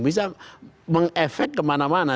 bisa mengefek kemana mana